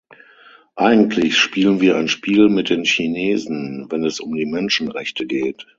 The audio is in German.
Eigentlich spielen wir ein Spiel mit den Chinesen, wenn es um die Menschenrechte geht.